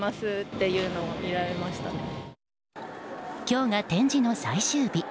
今日が展示の最終日。